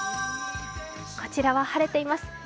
こちらは晴れています。